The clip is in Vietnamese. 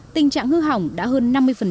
tình trạng hư hỏng đã hơn năm mươi